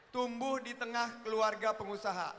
tumbuh di tengah keluarga pengusaha